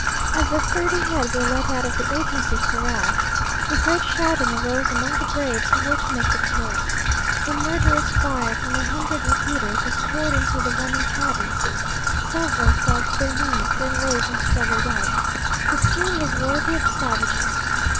As the thirty head were let out of the agency corral, a great shouting arose among the braves who were to make the kill. A murderous fire from a hundred repeaters was poured into the running cattle. Several fell to their knees, then rose and struggled on. The scene was worthy of savages.